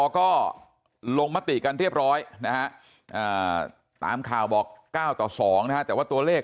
ก็ลงมติกันเรียบร้อยนะฮะตามข่าวบอก๙ต่อ๒นะฮะแต่ว่าตัวเลข